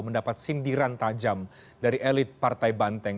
mendapat sindiran tajam dari elit partai banteng